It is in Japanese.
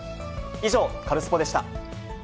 以上、カルスポっ！でした。